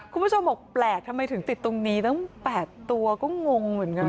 คุณผู้ชมบอกแปลกทำไมถึงติดตรงนี้ตั้ง๘ตัวก็งงเหมือนกัน